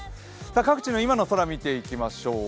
各地の今の空を見ていきましょう。